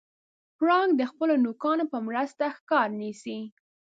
پړانګ د خپلو نوکانو په مرسته ښکار نیسي.